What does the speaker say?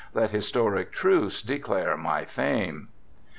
Let historic truths declare my fame.